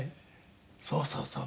そうそうそう。